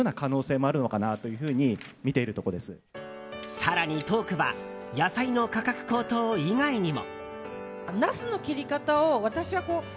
更にトークは野菜の価格高騰以外にも。